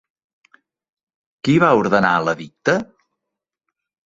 Qui va ordenar l'edicte?